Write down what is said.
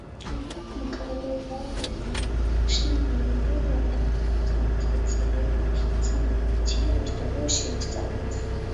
მკვლევარებმა შვიდი მილიონი ადამიანის ათწლიანი სამედიცინო ისტორია შეისწავლეს.